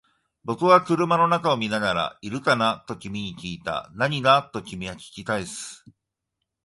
僕は車の中を見ながら、いるかな？と君に訊いた。何が？と君は訊き返す。